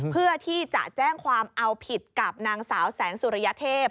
เพื่อที่จะแจ้งความเอาผิดกับนางสาวแสงสุริยเทพ